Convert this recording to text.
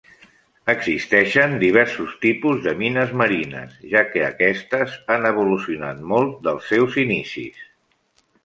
Existeixen diversos tipus de mines marines, ja que aquestes han evolucionat molt dels seus inicis.